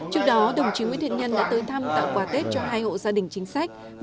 trước đó đồng chí nguyễn thiện nhân đã tới thăm tặng quà tết cho hai hộ gia đình chính sách